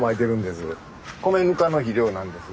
米ぬかの肥料なんです。